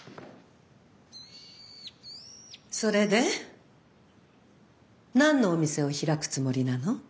それで何のお店を開くつもりなの？